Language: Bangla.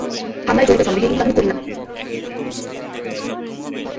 হামলায় জড়িত সন্দেহে ইমদাদুল করিম নামের একজনকে ধরে পুলিশে সোপর্দ করা হয়েছে।